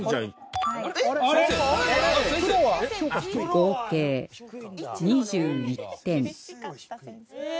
合計２１点